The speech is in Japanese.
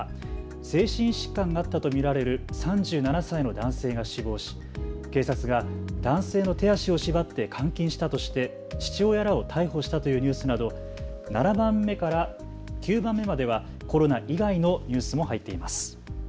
精神疾患があったと見られる３７歳の男性が死亡し警察が男性の手足を縛って監禁したとして父親らを逮捕したというニュースなど７番目から９番目まではコロナ以外のニュースも入っています。